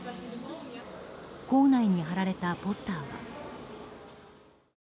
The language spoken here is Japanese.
構内に貼られたポスターは。